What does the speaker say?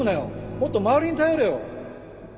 もっと周りに頼れよ。